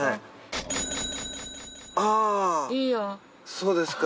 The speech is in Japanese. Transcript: そうですか。